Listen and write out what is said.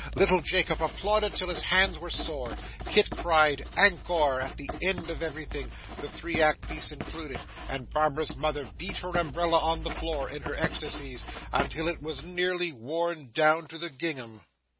Little Jacob applauded till his hands were sore; Kit cried 'an kor' at the end of everything, the three act piece included; and Barbara's mother beat her umbrella on the floor, in her ecstasies, until it was nearly worn down to the gingham.